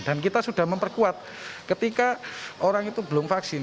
dan kita sudah memperkuat ketika orang itu belum vaksin